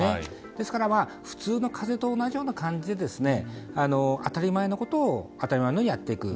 ですから普通の風邪と同じような感じで当たり前のことを当たり前のようにやっていく。